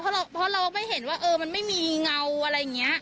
เพราะเราไม่เห็นว่ามันไม่มีเงาอะไรอย่างนี้